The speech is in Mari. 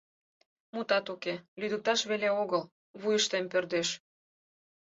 Мутат уке, «лӱдыкташ веле огыл», — вуйыштем пӧрдеш.